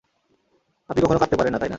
আপনি কখনো কাঁদতে পারেন না, তাই না?